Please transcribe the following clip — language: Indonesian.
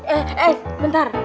eh eh bentar